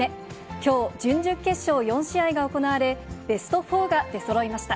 きょう、準々決勝４試合が行われ、ベスト４が出そろいました。